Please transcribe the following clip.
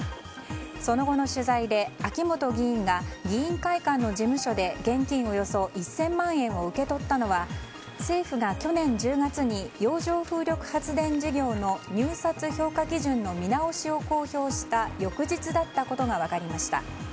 その後の取材で秋本議員が議員会館の事務所で現金およそ１０００万円を受け取ったのは政府が、去年１０月に洋上風力発電事業の入札評価基準の見直しを公表した翌日だったことが分かりました。